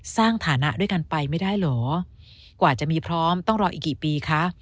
สร้างฐานะด้วยกันไปไม่ได้เหรอกว่าจะมีพร้อมต้องรออีกกี่ปีคะ